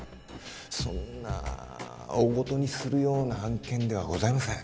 そんな大ごとにするような案件ではございません。